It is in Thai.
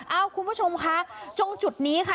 คุณผู้ชมคะตรงจุดนี้ค่ะ